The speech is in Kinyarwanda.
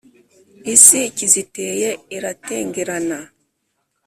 Isi kiziteye iratengerana,